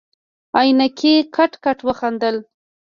عينکي کټ کټ وخندل.